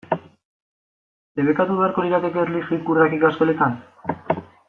Debekatu beharko lirateke erlijio ikurrak ikasgeletan?